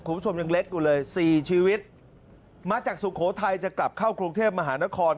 คุณผู้ชมยังเล็กอยู่เลยสี่ชีวิตมาจากสุโขทัยจะกลับเข้ากรุงเทพมหานคร